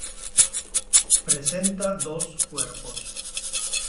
Presenta dos cuerpos.